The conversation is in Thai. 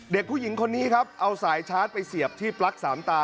เด็กผู้หญิงคนนี้ครับเอาสายชาร์จไปเสียบที่ปลั๊กสามตา